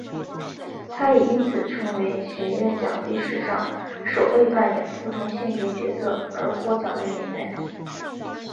她也因此成为学院奖历史上首位扮演不同性别角色而获奖的演员。